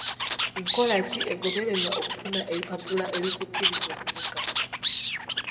Nkola ki egobererwa okufuna ebipapula ebikukkiriza okuvuga?